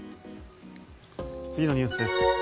次のニュースです。